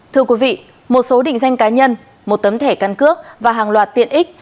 thưa quý vị một số định danh cá nhân một tấm thẻ căn cước và hàng loạt tiện ích